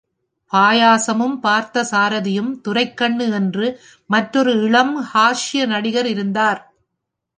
பாயாசமும் பார்த்த சாரதியும் துரைக்கண்ணு என்று மற்றொரு இளம் ஹாஸ்ய நடிகர் இருந்தார்.